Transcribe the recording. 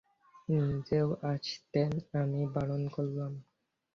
নিজেও আসতেন, আমি বারণ করলাম।